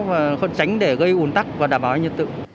và khuẩn tránh để gây ủn tắc và đảm bảo an ninh nhiệt tự